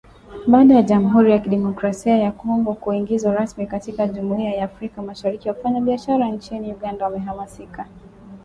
Baada ya Jamhuri ya Kidemokrasia ya Kongo kuingizwa rasmi katika Jumuiya ya Afrika Mashariki, wafanyabiashara nchini Uganda wamehamasika